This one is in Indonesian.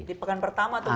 di pekan pertama tuh pak